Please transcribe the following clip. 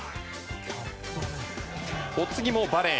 お次もバレー。